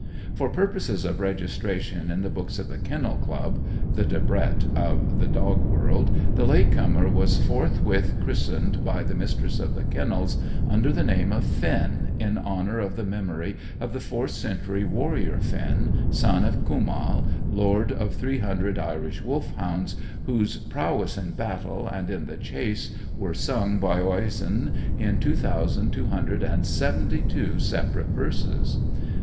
For purposes of registration in the books of the Kennel Club The Debrett of the dog world the late comer was forthwith christened by the Mistress of the Kennels, under the name of Finn, in honour of the memory of the fourth century warrior Finn, son of Cumall, lord of three hundred Irish Wolfhounds, whose prowess in battle and in the chase were sung by Oisin in two thousand, two hundred and seventy two separate verses.